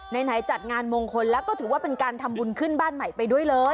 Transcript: ไหนจัดงานมงคลแล้วก็ถือว่าเป็นการทำบุญขึ้นบ้านใหม่ไปด้วยเลย